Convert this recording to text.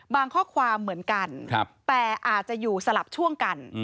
ข้อความเหมือนกันแต่อาจจะอยู่สลับช่วงกัน